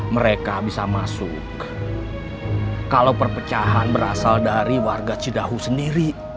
mereka bisa masuk kalau perpecahan berasal dari warga cidahu sendiri